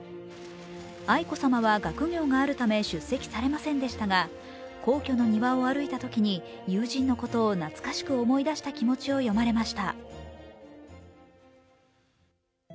愛子さまは学業があるため出席されませんでしたが、皇居の庭を歩いたときに友人のことをなつかしく思い出した気持ちを詠まれました。